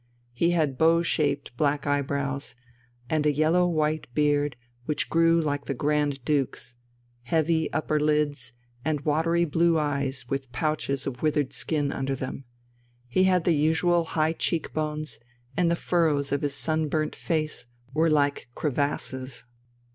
He had bow shaped black eyebrows, and a yellow white beard, which grew like the Grand Duke's, heavy upper lids, and watery blue eyes with pouches of withered skin under them; he had the usual high cheek bones, and the furrows of his sun burnt face were like crevasses.